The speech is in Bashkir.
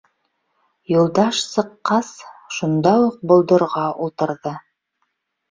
Юлдаш, сыҡҡас, шунда уҡ болдорға ултырҙы.